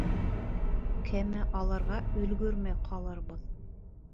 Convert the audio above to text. Кәмә алырға өлгөрмәй ҡалырбыҙ...